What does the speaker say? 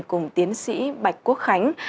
cùng tiến sĩ bạch quốc khánh